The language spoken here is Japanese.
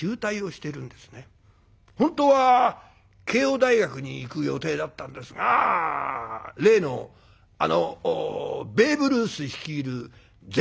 本当は慶應大学に行く予定だったんですが例のベーブ・ルース率いる全米オールスターチーム。